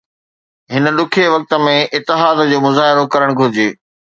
هن ڏکئي وقت ۾ اتحاد جو مظاهرو ڪرڻ گهرجي